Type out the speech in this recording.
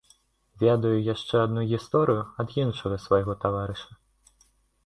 Ведаю яшчэ адну гісторыю ад іншага свайго таварыша.